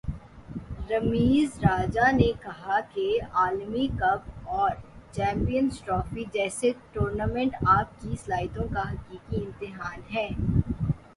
رمیز راجہ نے کہا کہ عالمی کپ اور چیمپئنز ٹرافی جیسے ٹورنامنٹ آپ کی صلاحیتوں کا حقیقی امتحان ہیں